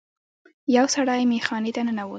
یو سړی میخانې ته ننوت.